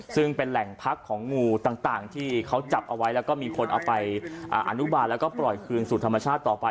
ซึ่งเป็นแหล่งพักของงูต่างที่เขาจับเอาไว้แล้วก็มีคนเอาไปอนุบาลแล้วก็ปล่อยคืนสู่ธรรมชาติต่อไป